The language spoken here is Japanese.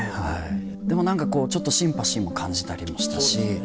でも何かちょっとシンパシーも感じたりもしたし。